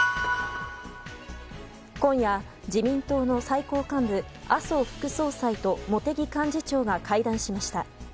今夜、自民党の最高幹部麻生副総裁と茂木幹事長が会談しました。